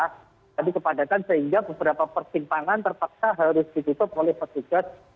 jadi kepadatan sehingga beberapa persimpangan terpaksa harus ditutup oleh petugas